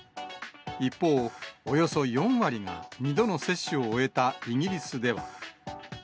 一方、およそ４割が２度の接種を終えたイギリスでは。